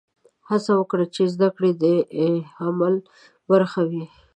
هڅه وکړه چې زده کړه د عمل برخه وي.